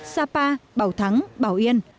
sapa bảo thắng bảo yên